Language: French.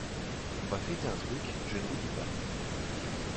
On va fêter un truc, je ne vous dis pas…